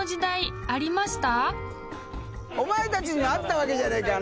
お前たちにもあったわけじゃないか。